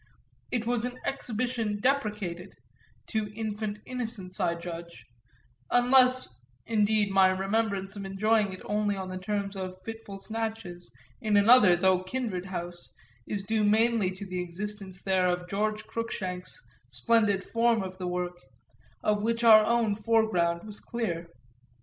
It was an exhibition deprecated to infant innocence I judge; unless indeed my remembrance of enjoying it only on the terms of fitful snatches in another, though a kindred, house is due mainly to the existence there of George Cruikshank's splendid form of the work, of which our own foreground was clear.